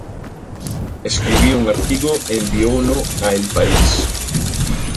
Escribiu un artigo e enviouno a El País.